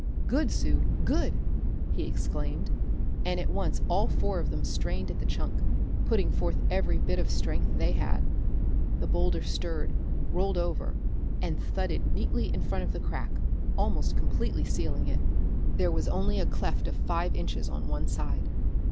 "Good, Sue, good!" he exclaimed, and at once all four of them strained at the chunk, putting forth every bit of strength they had. The boulder stirred, rolled over, and thudded neatly in front of the crack, almost completely sealing it. There was only a cleft of five inches on one side.